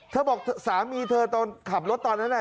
เธอบอกสามีเธอขับรถตอนนั้นน่ะ